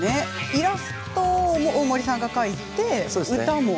イラストを大森さんが描いて歌も。